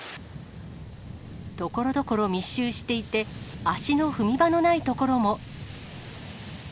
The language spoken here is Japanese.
ところどころ、密集していて、足の踏み場のない所も。